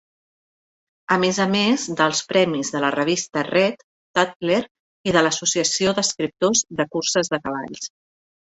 A més a més dels premis de la revista "Red", "Tatler" i de l'Associació d'escriptors de curses de cavalls.